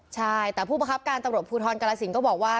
ใช่แต่ผู้ประคับการตำรวจภูทรกรสินก็บอกว่า